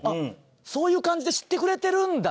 そういう感じで知ってくれてるんだと思って。